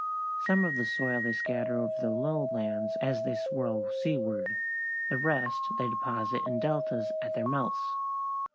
Some of the soil they scatter over the lowlands as they whirl seaward; the rest they deposit in deltas at their mouths.